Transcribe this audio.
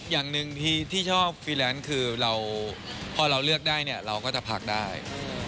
อย่างหนึ่งที่ชอบฟรีแลนซ์คือเราพอเราเลือกได้เนี่ยเราก็จะพักได้